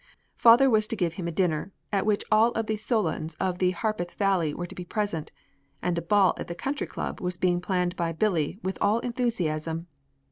Father was to give him a dinner at which all of the Solons of the Harpeth Valley were to be present, and a ball at the Country Club was being planned by Billy with all enthusiasm.